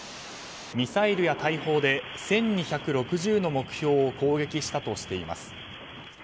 ミサイルや大砲で１２６０の目標を攻撃したとしています。